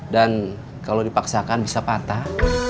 dan kalau dipaksakan bisa patah